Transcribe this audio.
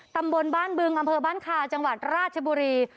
ตำบลบ้านบึงอำเภอบ้านคาจังหวัดราชบุรี